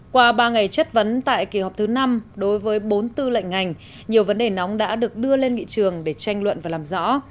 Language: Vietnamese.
qua ba ngày chất vấn tại kỳ họp thứ năm đối với bốn tư lệnh ngành nhiều vấn đề nóng đã được đưa lên nghị trường để tranh luận và làm rõ